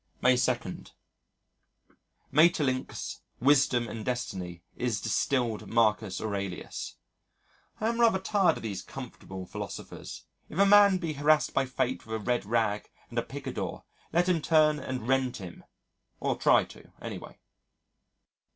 May 2. Maeterlinck's Wisdom and Destiny is distilled Marcus Aurelius. I am rather tired of these comfortable philosophers. If a man be harassed by Fate with a red rag and a picador let him turn and rend him or try to, anyway.